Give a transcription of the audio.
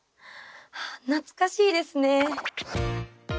懐かしいですね。